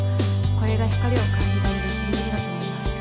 これが光を感じられるぎりぎりだと思います。